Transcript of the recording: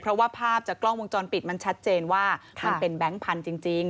เพราะว่าภาพจากกล้องวงจรปิดมันชัดเจนว่ามันเป็นแบงค์พันธุ์จริง